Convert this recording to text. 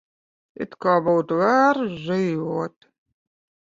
It kā būtu vērts dzīvot.